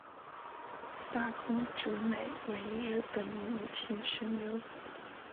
大空直美为日本女性声优。